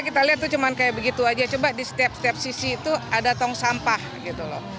kita lihat tuh cuma kayak begitu aja coba di setiap setiap sisi itu ada tong sampah gitu loh